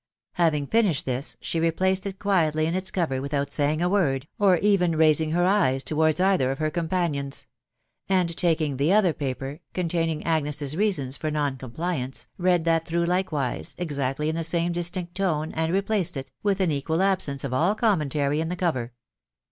Having finished this, she replaced it quietly in its cover without saying a word, or even raising her eyes towards either of her companions ; and taking the other paper, containing Agnes s reasons for non compli ance, read that through likewise, exactly in the same distinct tone, and replaced it, with an equal absence of all commentary, in the cover.